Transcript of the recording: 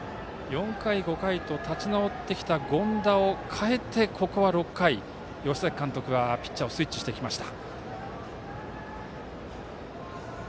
４回、５回と立ち直ってきた権田を代えて、ここは６回吉崎監督はピッチャーをスイッチしてきました。